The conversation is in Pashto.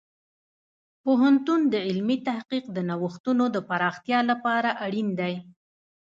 پوهنتون د علمي تحقیق د نوښتونو د پراختیا لپاره اړین دی.